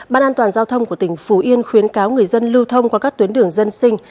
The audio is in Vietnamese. ban an toàn giao thông của tỉnh phú yên khuyến cáo người dân lưu thông qua các tuyến đường dân sinh